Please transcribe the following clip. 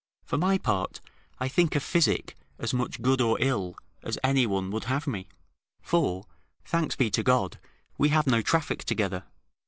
For my part, I think of physic as much good or ill as any one would have me: for, thanks be to God, we have no traffic together.